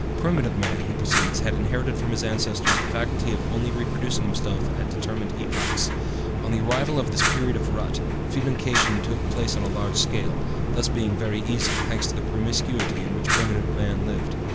"Primitive man," he proceeds, "had inherited from his ancestors the faculty of only reproducing himself at determined epochs. On the arrival of this period of rut, fecundation took place on a large scale, this being very easy, thanks to the promiscuity in which primitive man lived.